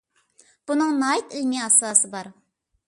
بۇنىڭ ناھايىتى ئىلمىي ئاساسى بار.